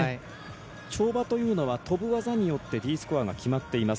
跳馬というのは跳ぶ技によってＤスコアが決まっています。